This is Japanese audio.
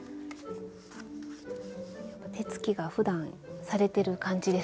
手つきがふだんされてる感じですね。